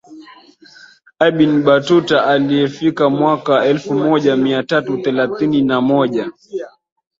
Ibn Batuta aliyefika mwaka elfu moja mia tatu thelathini na moja